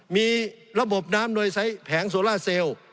มีระบบน้ำโดยไซส์แผงโสล่าเซล